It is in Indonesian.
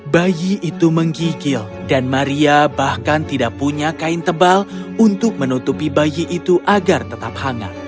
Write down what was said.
bayi itu menggigil dan maria bahkan tidak punya kain tebal untuk menutupi bayi itu agar tetap hangat